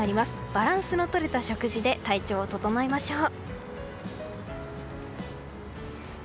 バランスのとれた食事で体調を整えましょう。